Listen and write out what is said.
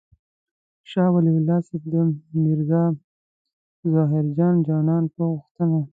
شاه ولي الله صاحب د میرزا مظهر جان جانان په غوښتنه.